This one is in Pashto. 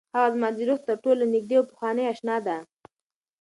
هغه زما د روح تر ټولو نږدې او پخوانۍ اشنا ده.